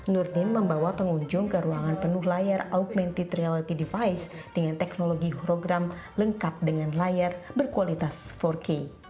nurdin membawa pengunjung ke ruangan penuh layar augmented reality device dengan teknologi horogram lengkap dengan layar berkualitas empat k